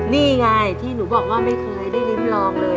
นี่ไงที่หนูบอกไม่ได้ริ้มรองเลย